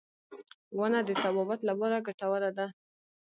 • ونه د طبابت لپاره ګټوره ده.